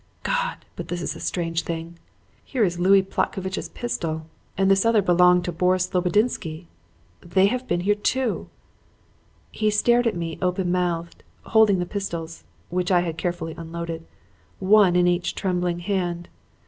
"'God! But this is a strange thing! Here is Louis Plotcovitch's pistol! And this other belonged to Boris Slobodinsky! They have been here too!' "He stared at me open mouthed, holding the pistols which I had carefully unloaded one in each trembling hand.